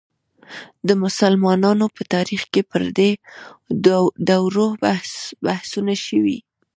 د مسلمانانو په تاریخ کې پر دې دورو بحثونه شوي.